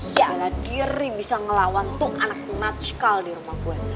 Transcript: ya allah diri bisa ngelawan tuh anak penat sekali di rumah gue